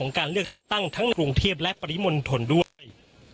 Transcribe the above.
ของการเลือกตั้งทั้งกรุงเทพและปริมนต์ฏอนด้วย